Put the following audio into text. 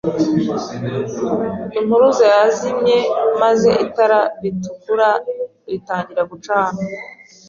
Impuruza yazimye maze itara ritukura ritangira gucana.